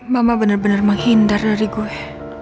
mama bener bener menghindar dari gue